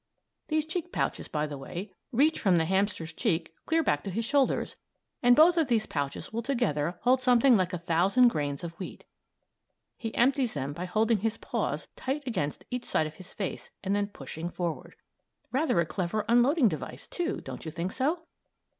These cheek pouches, by the way, reach from the hamster's cheeks clear back to his shoulders, and both of these pouches will together hold something like a thousand grains of wheat. He empties them by holding his paws tight against the side of his face and then pushing forward. Rather a clever unloading device, too; don't you think so?